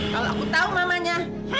kalau aku tahu mamanya